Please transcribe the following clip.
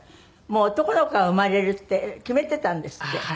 もう男の子が生まれるって決めてたんですって。